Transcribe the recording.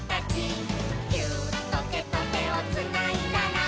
「ギューッとてとてをつないだら」